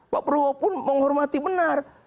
pak prabowo pun menghormati benar